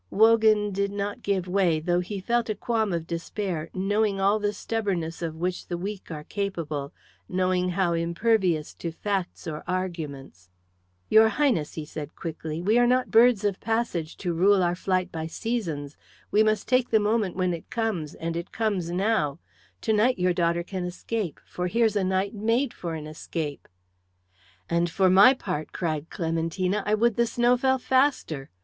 Wogan did not give way, though he felt a qualm of despair, knowing all the stubbornness of which the weak are capable, knowing how impervious to facts or arguments. "Your Highness," he said quickly, "we are not birds of passage to rule our flight by seasons. We must take the moment when it comes, and it comes now. To night your daughter can escape; for here's a night made for an escape." "And for my part," cried Clementina, "I would the snow fell faster."